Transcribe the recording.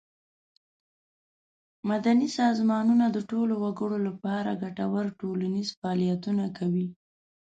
مدني سازمانونه د ټولو وګړو له پاره ګټور ټولنیز فعالیتونه کوي.